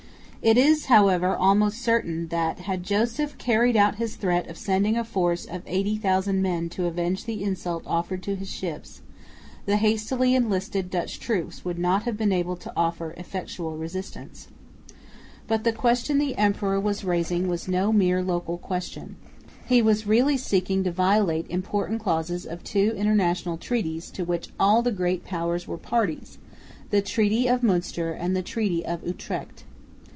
It is, however, almost certain that, had Joseph carried out his threat of sending a force of 80,000 men to avenge the insult offered to his ships, the hastily enlisted Dutch troops would not have been able to offer effectual resistance. But the question the emperor was raising was no mere local question. He was really seeking to violate important clauses of two international treaties, to which all the great powers were parties, the Treaty of Münster and the Treaty of Utrecht.